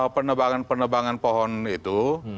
penebangan penebangan pohon itu